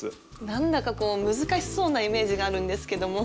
何だかこう難しそうなイメージがあるんですけども。